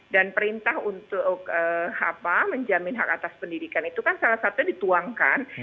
dan perintah untuk menjamin hak atas pendidikan itu kan salah satu dituangkan